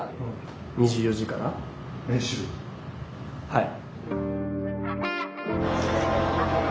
はい。